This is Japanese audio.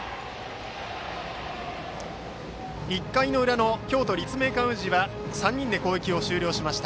１回の裏の京都・立命館宇治は３人で攻撃を終了しました。